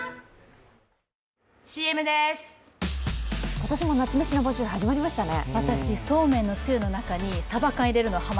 今年も夏メシの募集始まりましたね。